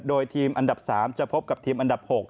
โดยทีมอันดับ๓จะพบกับทีมอันดับ๖